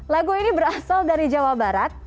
lagu ini berasal dari jawa barat